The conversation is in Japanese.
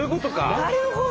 なるほど！